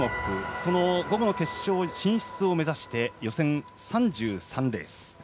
その午後の決勝進出を目指して予選３３レース。